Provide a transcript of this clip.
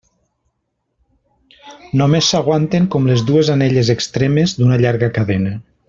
Només s'aguanten com les dues anelles extremes d'una llarga cadena.